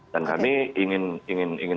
dan kami ingin